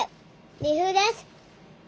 二歩です。